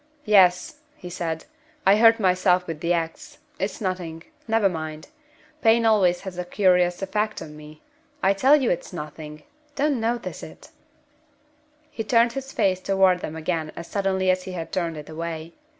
"Yes," he said; "I hurt myself with the ax. It's nothing. Never mind. Pain always has a curious effect on me. I tell you it's nothing! Don't notice it!" He turned his face toward them again as suddenly as he had turned it away.